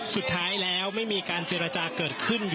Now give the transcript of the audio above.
สุดท้ายแล้วไม่มีการเจรจาเกิดขึ้น